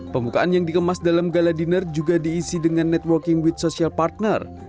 pembukaan yang dikemas dalam gala dinner juga diisi dengan networking with social partner